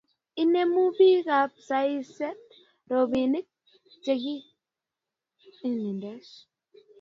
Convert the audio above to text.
inemu biikap siaset robinik chegiboishen eng kepiree kurait